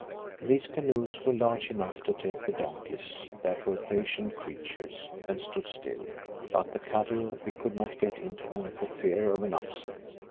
These canoes were large enough to take the donkeys that were patient creatures and stood still, but the cattle we could not get into them for fear of an upset.